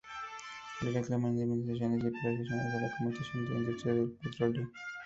Y reclaman indemnizaciones y reparaciones por la contaminación de la industria del petróleo.